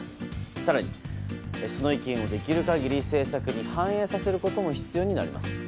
更に、その意見をできる限り政策に反映させることも必要になります。